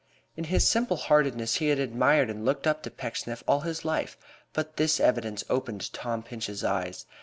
In his simple heartedness he had admired and looked up to Pecksniff all his life, but this evidence opened Tom Pinch's eyes.